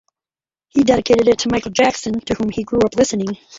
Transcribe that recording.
He dedicated it to Michael Jackson, to whom he grew up listening.